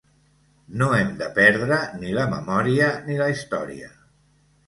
No hem de perdre ni la memòria ni la història.